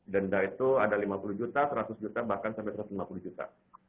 denda itu ada lima puluh juta seratus juta bahkan sampai satu ratus lima puluh juta